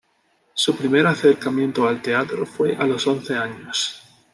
Su primer acercamiento al teatro fue a los once años.